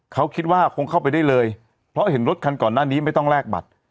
เขาคิดว่าคงเข้าไปได้เลยเพราะเห็นรถคันก่อนหน้านี้ไม่ต้องแลกบัตร